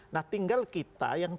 nah tinggal kita yang